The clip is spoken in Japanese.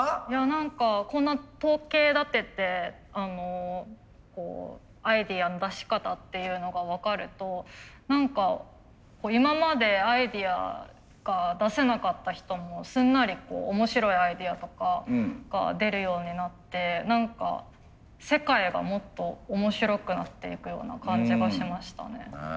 何かこんな統計立ててアイデアの出し方っていうのが分かると何か今までアイデアが出せなかった人もすんなり面白いアイデアとかが出るようになって何か世界がもっと面白くなっていくような感じがしましたね。